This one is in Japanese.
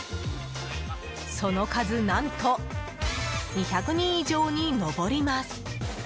その数何と２００人以上に上ります。